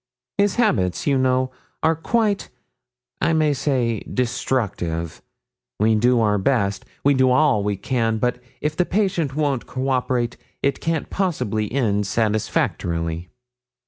His habits, you know, are quite, I may say, destructive. We do our best we do all we can, but if the patient won't cooperate it can't possibly end satisfactorily.'